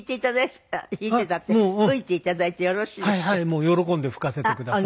もう喜んで吹かせてください。